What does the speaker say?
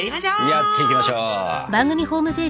やっていきましょう！